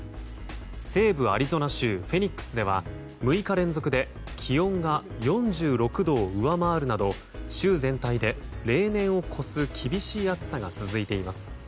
西部アリゾナ州フェニックスでは６日連続で気温が４６度を上回るなど州全体で例年を超す厳しい暑さが続いています。